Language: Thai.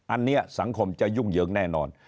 อันนี้สังคมจะยุ่งเหยิงแน่นอน